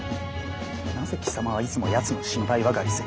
なぜ貴様はいつもやつの心配ばかりする？